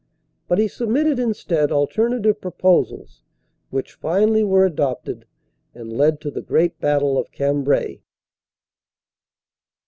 But he submitted instead alternative proposals, which finally were adopted and led to the great battle of Cambrai.